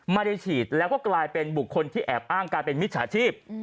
ไม่ได้ฉีดแล้วก็กลายเป็นบุคคลที่แอบอ้างการเป็นมิจฉาชีพ